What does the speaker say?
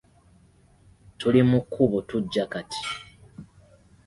Tuli mu kkubo tujja kati.